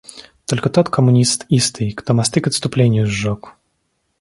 Только тот коммунист истый, кто мосты к отступлению сжег.